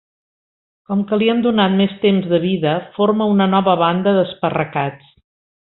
Com que li han donat més temps de vida, forma una nova banda d'esparracats.